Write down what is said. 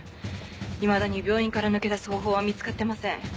いまだに病院から抜け出す方法は見つかってません。